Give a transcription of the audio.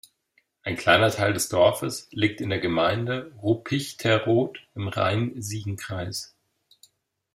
Ein kleiner Teil des Dorfes liegt in der Gemeinde Ruppichteroth im Rhein-Sieg-Kreis.